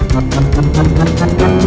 kemana tuh bos